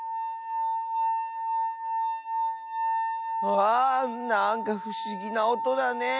わあなんかふしぎなおとだね。